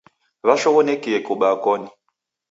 Washoghonokie kubaa koni.